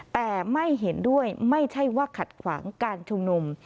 แต่ไม่เห็นด้วยไม่ใช่ว่าขัดขวางการชุมนุม